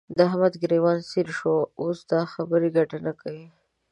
د احمد ګرېوان څيرې شو؛ اوس دا خبرې ګټه نه کوي.